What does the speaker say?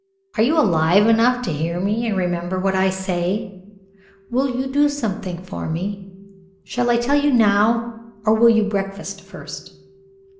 "Are you alive enough to hear me and remember what I say? Will you do something for me? Shall I tell you now or will you breakfast first?"